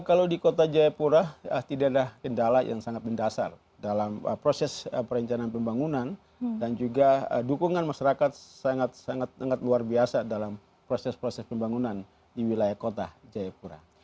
kalau di kota jayapura tidak ada kendala yang sangat mendasar dalam proses perencanaan pembangunan dan juga dukungan masyarakat sangat sangat luar biasa dalam proses proses pembangunan di wilayah kota jayapura